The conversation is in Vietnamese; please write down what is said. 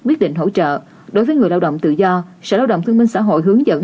quyết định hỗ trợ đối với người lao động tự do sở lao động thương minh xã hội hướng dẫn